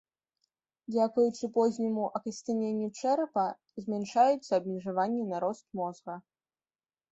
Дзякуючы позняму акасцяненню чэрапа змяншаюцца абмежаванні на рост мозга.